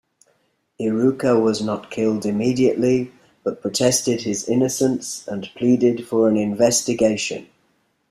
Iruka was not killed immediately, but protested his innocence and pleaded for an investigation.